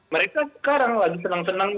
mereka sekarang lagi senang senang